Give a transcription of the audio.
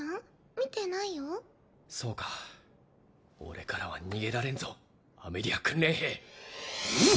見てないよそうか俺からは逃げられんぞアメリア訓練兵フン！